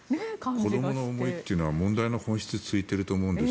子どもの思いというのは問題の本質を突いていると思うんです。